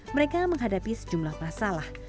mereka menghadapi sejumlah masalah